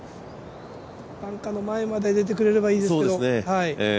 バンカーの前まで出てくれたらいいんですけど。